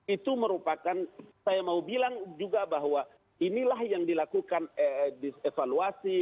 itu merupakan saya mau bilang juga bahwa inilah yang dilakukan dievaluasi